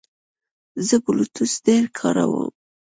زه بلوتوث ډېر کاروم.